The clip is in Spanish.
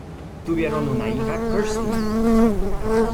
Tuvieron una hija, Kerstin.